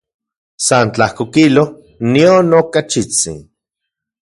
San tlajko kilo, nion okachitsin.